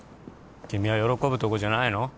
君は喜ぶとこじゃないの？